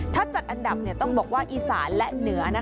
ถ้าจัดอันดับต้องบอกว่าอีสานและเหนือ